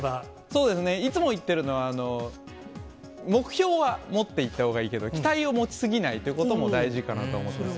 そうですね、いつも言ってるのは、目標は持っていったほうがいいけど、期待を持ち過ぎないということも大事かなと思います。